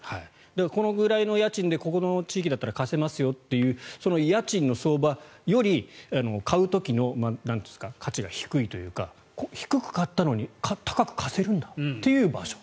このぐらいの家賃でここの地域だったら貸せますよっていうその家賃の相場より買う時の価値が低いというか低く買ったのに高く貸せるんだという場所。